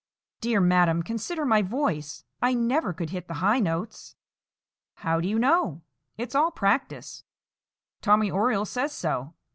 "Dear madam, consider my voice. I never could hit the high notes." "How do you know? It's all practice; Tommy Oriole says so.